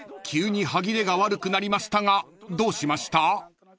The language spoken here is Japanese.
急に歯切れが悪くなりましたがどうしました？］